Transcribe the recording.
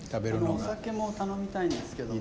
お酒も頼みたいんですけども。